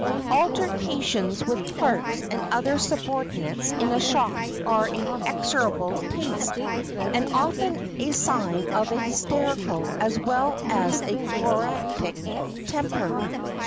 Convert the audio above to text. Altercations with clerks and other subordinates in a shop are in execrable taste, are often a sign of an hysterical as well as a choleric temper.